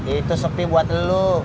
itu sepi buat lo